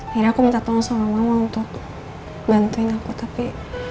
akhirnya aku minta tolong sama mama untuk bantuin aku tapi